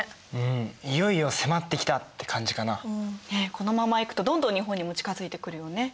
このままいくとどんどん日本にも近づいてくるよね。